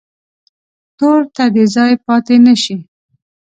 تور ته دې ځای پاتې نه شي.